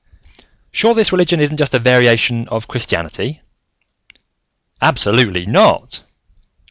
"Sure this religion isn't just a variant of Christianity?" "Absolutely not!